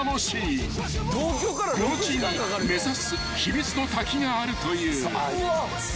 ［この地に目指す秘密の滝があるという］